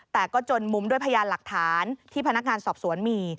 แต่ก็จนมุมด้วยพยานหลักฐานที่พนักงานสอบสวนมี